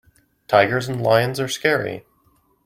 Tigers and lions are scary.